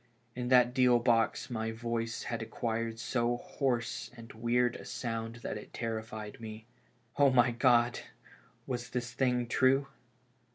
In that deal box my voice had acquired so hoarse and weird a sound that it terrified me. Oh, my God! was this thing true?